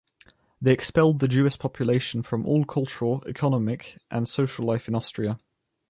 They expelled the Jewish population from all cultural, economic and social life in Austria.